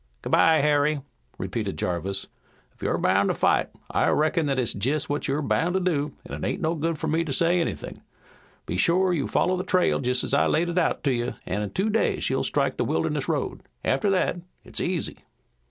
"Good bye, Harry," repeated Jarvis. "If you're bound to fight I reckon that's jest what you're bound to do, an' it ain't no good for me to say anythin'. Be shore you follow the trail jest as I laid it out to you an' in two days you'll strike the Wilderness Road. After that it's easy."